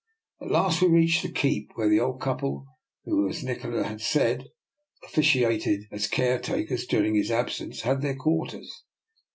At last we reached the keep, where 246 DR. NIKOLAS EXPERIMENT. the old couple who, as Nikola had said, of ficiated as caretakers during his absence, had their quarters.